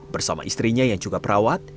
bersama istrinya yang juga perawat